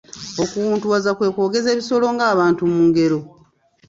Okuwuntuwaza kwe kwogeza ebisolo ng'abantu mu ngero.